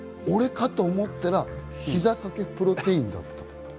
「俺かと思ったら、ひざ掛けプロテインだった」。